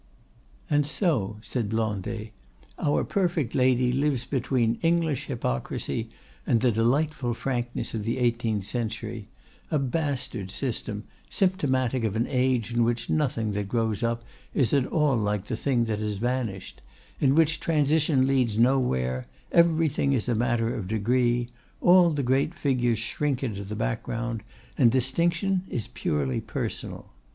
"And so," said Blondet, "our 'perfect lady' lives between English hypocrisy and the delightful frankness of the eighteenth century—a bastard system, symptomatic of an age in which nothing that grows up is at all like the thing that has vanished, in which transition leads nowhere, everything is a matter of degree; all the great figures shrink into the background, and distinction is purely personal.